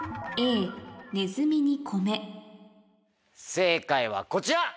正解はこちら。